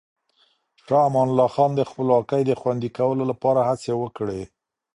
شاه امان الله خان د خپلواکۍ د خوندي کولو لپاره هڅې وکړې.